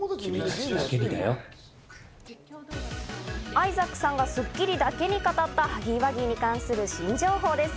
アイザックさんが『スッキリ』だけに語ったハギーワギーに関する新情報です。